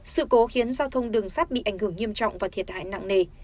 sự cố khiến giao thông đường sắt bị ảnh hưởng nghiêm trọng và thiệt hại nặng nề